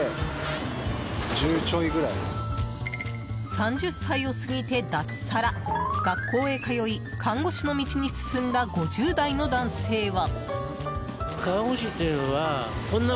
３０歳を過ぎて脱サラ学校へ通い看護師の道に進んだ５０代の男性は。